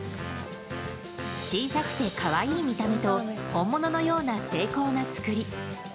小さくて可愛い見た目と本物のような精巧な作り。